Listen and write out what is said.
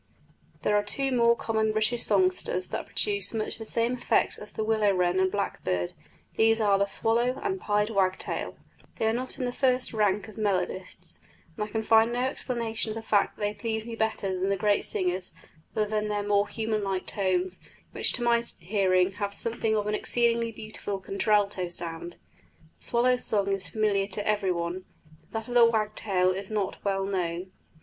There are two more common British songsters that produce much the same effect as the willow wren and blackbird; these are the swallow and pied wagtail. They are not in the first rank as melodists, and I can find no explanation of the fact that they please me better than the great singers other than their more human like tones, which to my hearing have something of an exceedingly beautiful contralto sound. The swallow's song is familiar to every one, but that of the wagtail is not well known.